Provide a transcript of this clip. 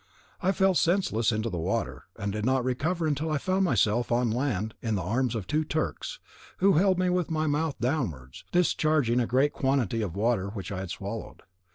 I fell senseless into the water, and did not recover until I found myself on land, in the arms of two Turks, who held me with my mouth downwards, discharging a great quantity of water which I had swallowed.